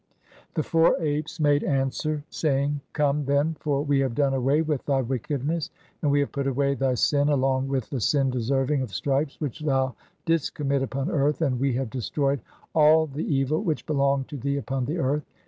"[The four apes make answer, saying], 'Come, then, for we "have done away with thy wickedness, and we have put away "thy sin, along with the [sin deserving of] stripes which thou "[didst commit] upon earth, and we have destroyed [all] the (i3) "evil which belonged to thee upon the earth.